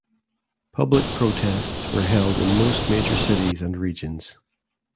Public protests were held in most major cities and regions.